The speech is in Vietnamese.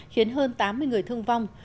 khiến hơn tám mươi người thương vong